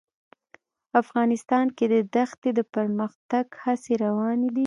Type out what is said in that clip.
افغانستان کې د دښتې د پرمختګ هڅې روانې دي.